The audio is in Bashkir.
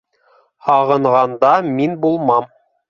Һағынғанда мин булмам...